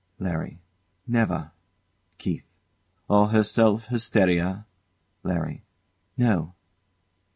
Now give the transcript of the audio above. LARRY. Never. KEITH. Or herself hysteria? LARRY. No.